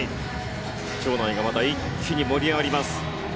場内がまた一気に盛り上がります。